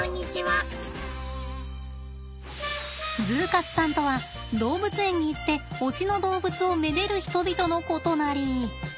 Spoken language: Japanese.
ＺＯＯ活さんとは動物園に行って推しの動物を愛でる人々のことなり。